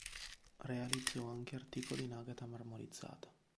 Realizzò anche articoli in agata marmorizzata.